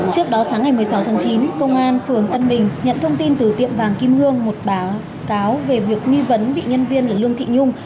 trước đó sáng ngày một mươi sáu tháng chín công an phường tân bình nhận thông tin từ tiệm vàng kim hương một báo cáo về việc nghi vấn bị nhân viên là lương thị nhung